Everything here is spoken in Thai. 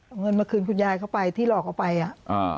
เอาเงินมาคืนคุณยายเข้าไปที่หลอกเอาไปอ่ะอ่า